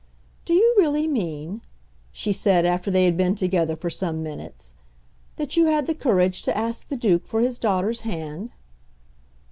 "Do you really mean," she said after they had been together for some minutes, "that you had the courage to ask the Duke for his daughter's hand?"